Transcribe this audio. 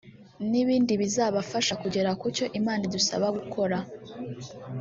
n’ibindi bizabafasha kugera kucyo Imana idusaba gukora